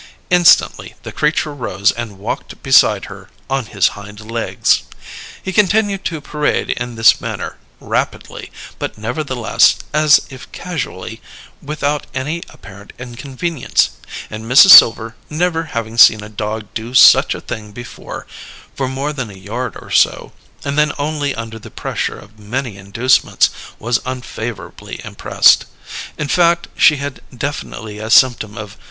Instantly the creature rose and walked beside her on his hind legs. He continued to parade in this manner, rapidly, but nevertheless as if casually, without any apparent inconvenience; and Mrs. Silver, never having seen a dog do such a thing before, for more than a yard or so, and then only under the pressure of many inducements, was unfavourably impressed. In fact, she had definitely a symptom of M.